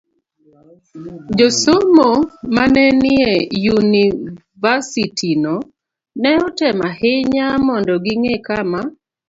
Josomo ma ne nie yunivasitino ne otemo ahinya mondo ging'e kama